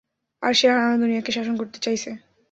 আর সে হারানো দুনিয়াকে শাসন করতে চাইছে।